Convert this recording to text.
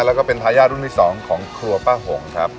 แล้วก็เป็นทายาทรุ่นที่๒ของครัวป้าหงครับ